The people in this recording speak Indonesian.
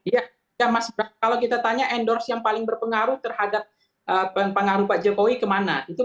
ya mas kalau kita tanya endorse yang paling berpengaruh terhadap pengaruh pak jokowi kemana itu